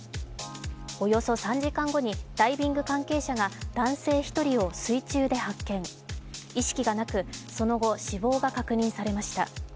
およそ３時間後にダイビング関係者が男性１人を水中で発見、意識がなく、その後、死亡が確認されました。